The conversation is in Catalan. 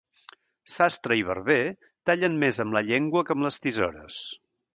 Sastre i barber tallen més amb la llengua que amb les tisores.